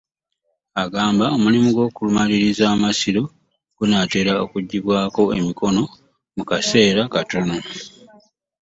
Agamba omulimu gw'okumaliriza amasiro gunaatera okuggyibwako emikono mu kaseera katono.